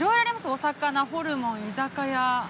お魚、ホルモン、居酒屋。